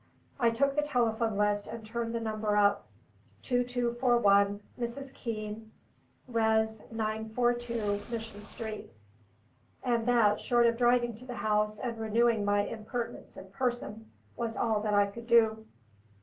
I took the telephone list and turned the number up: "2241, Mrs. Keane, res. 942 Mission Street." And that, short of driving to the house and renewing my impertinence in person, was all that I could do.